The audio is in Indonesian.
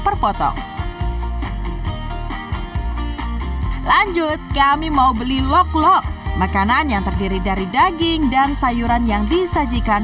per potong lanjut kami mau beli lok lok makanan yang terdiri dari daging dan sayuran yang disajikan